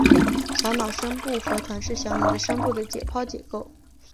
小脑深部核团是小脑的深部的解剖结构。